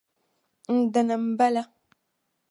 N-dini m-bala.